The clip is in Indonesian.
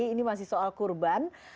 ini masih soal kurban